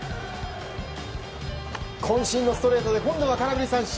渾身のストレートで今度は空振り三振。